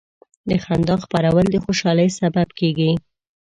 د خندا خپرول د خوشحالۍ سبب کېږي.